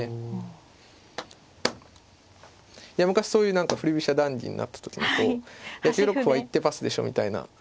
昔そういう何か振り飛車談義になった時に９六歩は一手パスでしょみたいな。